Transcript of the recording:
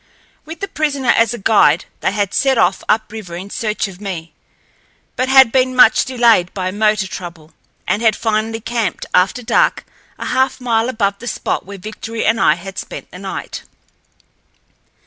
With the prisoner as a guide they had set off up river in search of me, but had been much delayed by motor trouble, and had finally camped after dark a half mile above the spot where Victory and I had spent the night.